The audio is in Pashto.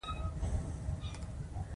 د خوست په سپیره کې څه شی شته؟